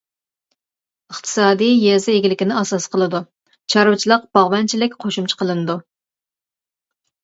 ئىقتىسادى يېزا ئىگىلىكىنى ئاساس قىلىدۇ، چارۋىچىلىق، باغۋەنچىلىك قوشۇمچە قىلىنىدۇ.